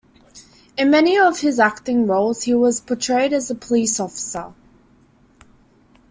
In many of his acting roles, he has portrayed a police officer.